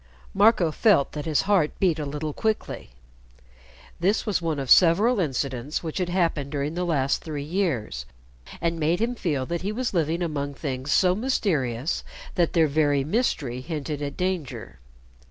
Marco felt that his heart beat a little quickly. This was one of several incidents which had happened during the last three years, and made him feel that he was living among things so mysterious that their very mystery hinted at danger.